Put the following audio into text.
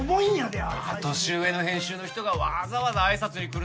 年上の編集の人がわざわざあいさつに来るなんて